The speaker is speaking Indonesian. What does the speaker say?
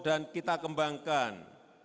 dan kita kembangkan